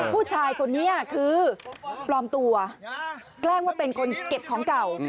ผู้ชายคนนี้คือปลอมตัวแกล้งว่าเป็นคนเก็บของเก่า